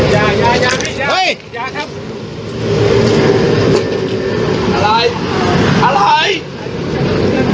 ยายายายายายายาครับ